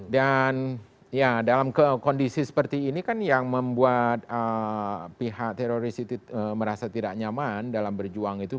dan ya dalam kondisi seperti ini kan yang membuat pihak teroris itu merasa tidak nyaman dalam berjuang itu